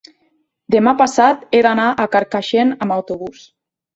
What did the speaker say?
Demà passat he d'anar a Carcaixent amb autobús.